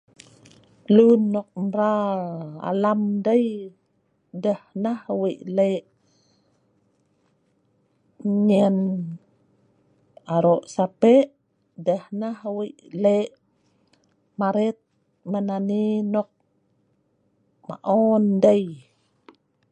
Lun nok mral alam dei, deh nah wei leq nyen aro sape'.Deh nah wei' leq maret menani nok maon dei